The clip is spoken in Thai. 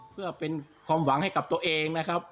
เพื่อเป็นความหวังให้กับตัวเองนะครับ